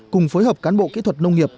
cùng phối hợp cán bộ kỹ thuật nông nghiệp